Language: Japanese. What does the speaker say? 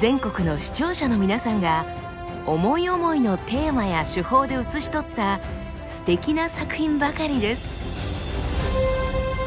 全国の視聴者のみなさんが思い思いのテーマや手法で写し取ったすてきな作品ばかりです。